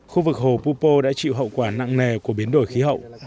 khu vực hồ pupo đã chịu hậu quả nặng nề của biến đổi khí hậu